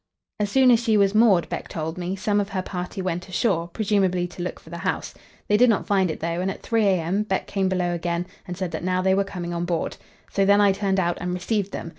As soon as she was moored, Beck told me, some of her party went ashore, presumably to look for the house. They did not find it, though, and at 3 a.m. Beck came below again, and said that now they were coming on board. So then I turned out and received them.